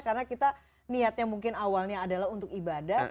karena kita niatnya mungkin awalnya adalah untuk ibadah